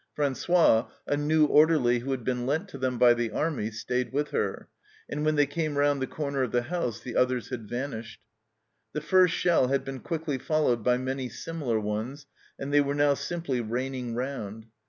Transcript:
Francois, a new orderly who had been lent to them by the army, stayed with her, and when they came round the corner of the house the others had vanished. The first shell had been quickly followed by many similar ones, and they were now simply raining round.